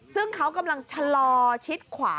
ซึ่งเขากำลังชะลอชิดขวา